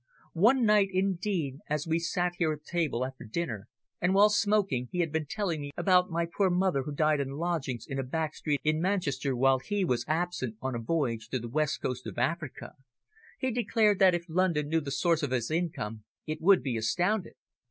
One night, indeed, as we sat here at table after dinner, and while smoking, he had been telling me about my poor mother who died in lodgings in a back street in Manchester while he was absent on a voyage to the West Coast of Africa, he declared that if London knew the source of his income it would be astounded.